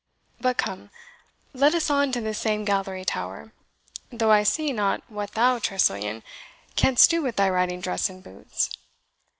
But come, let us on to this same Gallery tower though I see not what thou Tressilian, canst do with thy riding dress and boots."